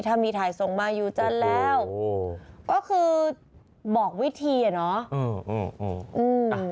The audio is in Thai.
ถ้ามีถ่ายส่งมาอยู่จันทร์แล้วก็คือบอกวิธีอ่ะเนาะ